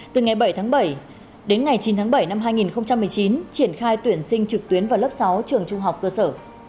từ ngày bảy tháng bảy đến ngày chín tháng bảy năm hai nghìn một mươi chín triển khai tuyển sinh trực tuyến vào lớp sáu trường trung học cơ sở